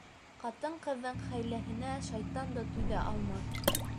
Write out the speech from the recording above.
Ҡатын-ҡыҙҙың хәйләһенә шайтан да түҙә алмаҫ.